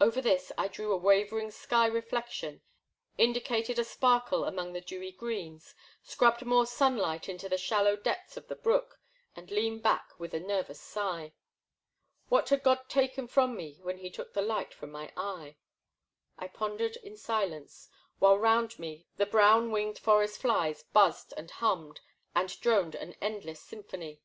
Over this I drew a wavering sky reflection, indicated a sparkle among the dewy greens, scrubbed more sunlight into the shallow depths of the brook, and leaned back with a nervous sigh. What had God taken from me when he took the light from my eye ? I pondered in silence while round me the brown winged forest flies buzzed and hummed and droned an endless symphony.